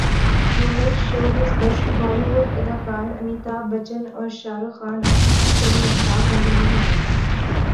Mumbai showbiz desk Bollywood اداکار امیتابھ بچن اور شاہ رخ خان اب کسی بھی فلم میں ایک ساتھ نظر نہیں آئیں گے